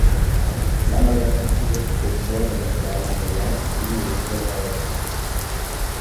La maduración sigue su curso de lateral a medial y de izquierda a derecha.